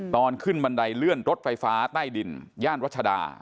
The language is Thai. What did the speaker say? ตอนขึ้นบันไดเลื่อนรถไฟฟ้าใต้ดินย่านรัชดา